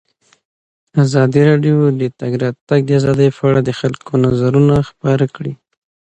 ازادي راډیو د د تګ راتګ ازادي په اړه د خلکو نظرونه خپاره کړي.